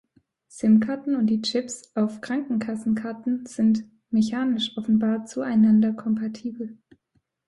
Sim-Karten und die Chips auf Krankenkassenkarten sind mechanisch offenbar zueinander kompatibel.